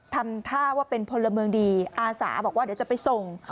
ทำท่าว่าเป็นพลเมืองดีอาสาบอกว่าเดี๋ยวจะไปส่ง